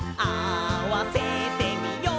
「合わせてみよう」